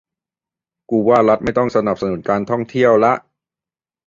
กูว่ารัฐไม่ต้องสนับสนุนการท่องเที่ยวละ